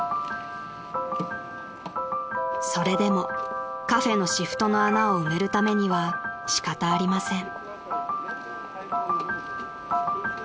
［それでもカフェのシフトの穴を埋めるためには仕方ありません］